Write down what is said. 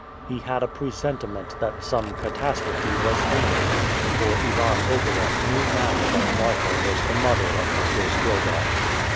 He had a presentiment that some catastrophe was imminent: for Ivan Ogareff knew now that Marfa was the mother of Michael Strogoff.